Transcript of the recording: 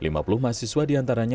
lima puluh mahasiswa diantaranya